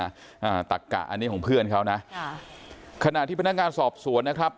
อ่าตักกะอันนี้ของเพื่อนเขานะค่ะขณะที่พนักงานสอบสวนนะครับ